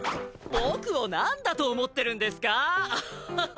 僕を何だと思ってるんですかぁ。